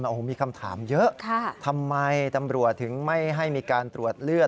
โอ้โหมีคำถามเยอะทำไมตำรวจถึงไม่ให้มีการตรวจเลือด